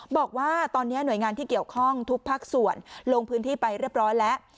บอกว่าตอนนี้หน่วยงานที่เกี่ยวข้องทุกภาคส่วนลงพื้นที่ไปเรียบร้อยแล้ว